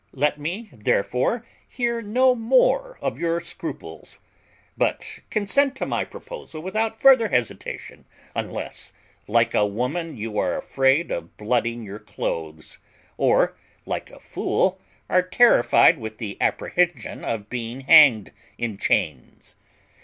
Let me therefore hear no more of your scruples; but consent to my proposal without further hesitation, unless, like a woman, you are afraid of blooding your cloaths, or, like a fool, are terrified with the apprehensions of being hanged in chains.